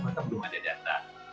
maka belum ada data